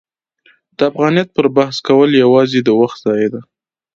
د افغانیت پر بحث کول یوازې د وخت ضایع ده.